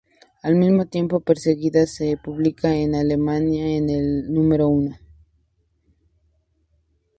Al mismo tiempo, "Perseguidas" se publicó en Alemania en el número uno.